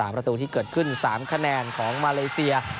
ประตูที่เกิดขึ้น๓คะแนนของมาเลเซีย